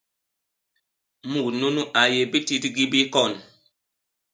Mut nunu a yé bitidigi bi kon.